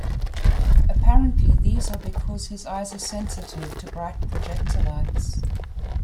Apparently these are because his eyes are sensitive to bright projector lights.